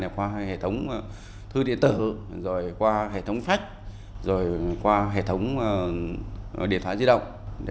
qua hệ thống thư điện tử rồi qua hệ thống phách rồi qua hệ thống điện thoại di động